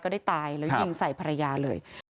ได้ตายแล้วยิงใส่ภรรยาเลย